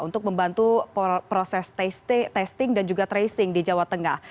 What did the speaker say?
untuk membantu proses testing dan juga tracing di jawa tengah